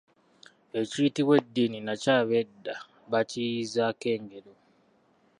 Ekiyitibwa eddiini nakyo ab’edda baakiyiiyiizaako engero.